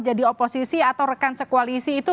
jadi oposisi atau rekan sekualisi itu